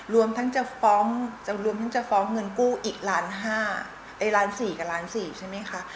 รวมทั้งจะฟ้องเงินกู้อีกล้านห้าล้านสี่กับล้านสี่ใช่ไหมคะ